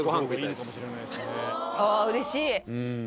ああ、うれしい。